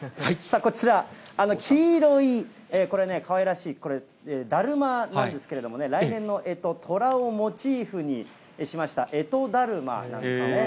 こちら、黄色い、これね、かわいらしいだるまなんですけれども、来年のえと、とらをモチーフにしましたえとだるまなんですよね。